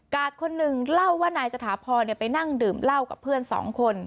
คนหนึ่งเล่าว่านายสถาพรไปนั่งดื่มเหล้ากับเพื่อนสองคน